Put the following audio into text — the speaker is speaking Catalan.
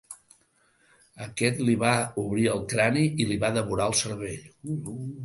Aquest li va obrir el crani i li va devorar el cervell.